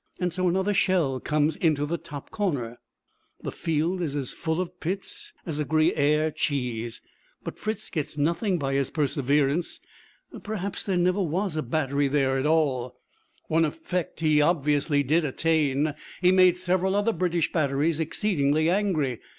So another shell comes into the top corner. The field is as full of pits as a Gruyère cheese, but Fritz gets nothing by his perseverance. Perhaps there never was a battery there at all. One effect he obviously did attain. He made several other British batteries exceedingly angry.